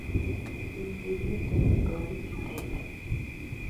Pipirinte notomi kitaitake.